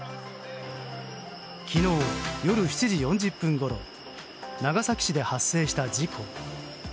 昨日夜７時４０分ごろ長崎市で発生した事故。